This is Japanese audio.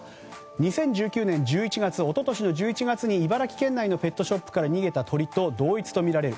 ２０１９年１１月一昨年の１１月に茨城県内のペットショップから逃げた鳥と同一とみられる。